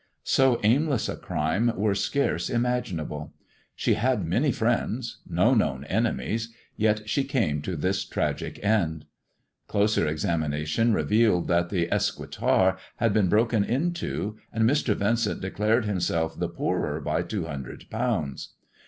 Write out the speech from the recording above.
So aim less a crime were scarce imaginable. She had many friends, no known enemies, yet she came to this tragic end. Closer examination revealed that the escritoire had been broken into, and Mr. Vincent declared himself the poorer by two hundred pounds.